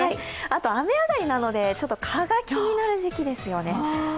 あと雨上がりので、ちょっと蚊が気になる時期ですよね。